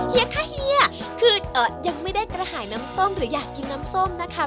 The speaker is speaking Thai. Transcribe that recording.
เฮียค่ะเฮียคือยังไม่ได้กระหายน้ำส้มหรืออยากกินน้ำส้มนะคะ